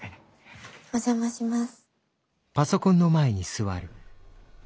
お邪魔します。